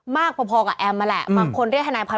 มากพอกับแอมม์มาแหละ